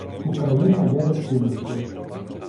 Україна є республікою.